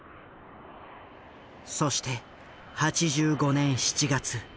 そして８５年７月。